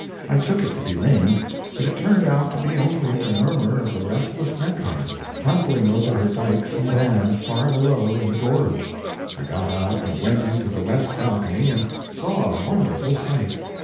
I took it to be rain, but it turned out to be only the murmur of the restless Neckar, tumbling over her dikes and dams far below, in the gorge. I got up and went into the west balcony and saw a wonderful sight.